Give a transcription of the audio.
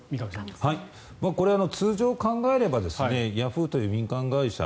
これは通常考えればヤフーという民間会社